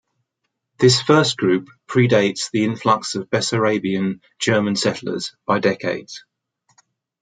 This first group predates the influx of Bessarabian German settlers by decades.